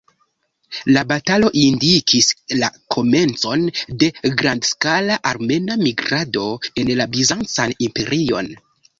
La batalo indikis la komencon de grandskala armena migrado en la Bizancan Imperion.